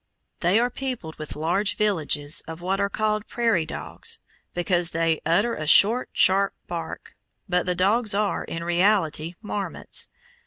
They are peopled with large villages of what are called prairie dogs, because they utter a short, sharp bark, but the dogs are, in reality, marmots.